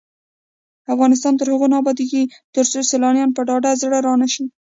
افغانستان تر هغو نه ابادیږي، ترڅو سیلانیان په ډاډه زړه را نشي.